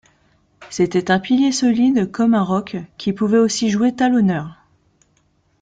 C’était un pilier solide comme un rock qui pouvait aussi jouer talonneur.